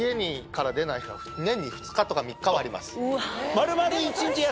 丸々。